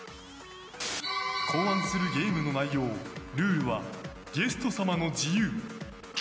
考案するゲームの内容、ルールはゲスト様の自由。